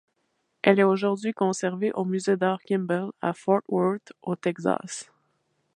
Elle est aujourd'hui conservée au musée d'art Kimbell, à Fort Worth, au Texas.